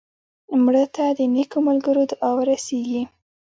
مړه ته د نیکو ملګرو دعا ورسېږي